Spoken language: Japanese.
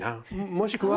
もしくは。